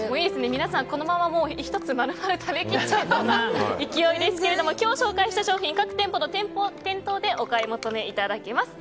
皆さんこのまま１つ丸々食べ切っちゃう勢いですが、今日紹介した商品各店舗の店頭でお買い求めいただけます。